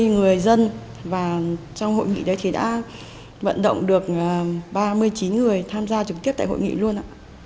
ba mươi người dân và trong hội nghị đấy thì đã vận động được ba mươi chín người tham gia trực tiếp tại hội nghị luôn